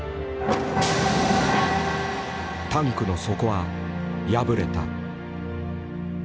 タンクの底は破れた。